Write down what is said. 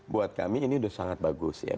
buat kami ini sudah sangat bagus ya